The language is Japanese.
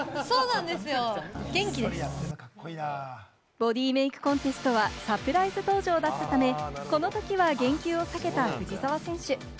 ボディメイクコンテストはサプライズ登場だったため、このときは言及を避けた藤澤選手。